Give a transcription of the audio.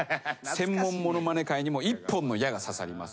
専門ものまね界にも１本の矢が刺さります。